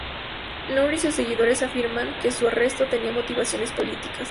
Nour y sus seguidores afirman que su arresto tenía motivaciones políticas.